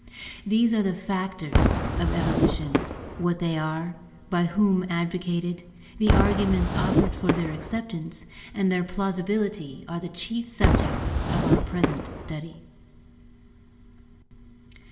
These are the factors of evolution; what they are, by whom advocated, the arguments offered for their acceptance, and their plausibility are the chief subjects of our present study.